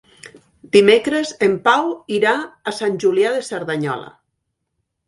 Dimecres en Pau irà a Sant Julià de Cerdanyola.